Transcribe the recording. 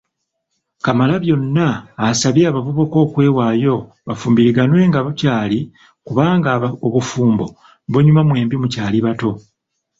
Kamalabyonna asabye abavubuka okwewaayo bafumbiriganwe nga bukyali kubanga obufumbo bunyuma mwembi mukyali bato.